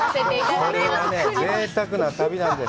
これはね、ぜいたくな旅なんです。